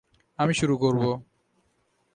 আমি শুরু করব।